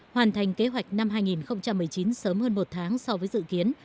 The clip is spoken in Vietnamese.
hoàn thành kế hoạch năm hai nghìn một mươi chín sớm hơn một tháng so với dự kiến